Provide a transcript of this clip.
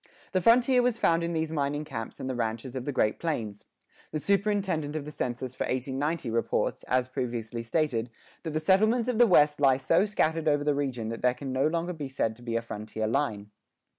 The frontier was found in these mining camps and the ranches of the Great Plains. The superintendent of the census for 1890 reports, as previously stated, that the settlements of the West lie so scattered over the region that there can no longer be said to be a frontier line.